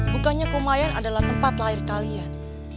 bukannya komayan adalah tempat lahir kalian